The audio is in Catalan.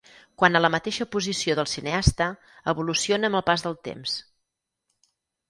Quant a la mateixa posició del cineasta, evoluciona amb el pas del temps.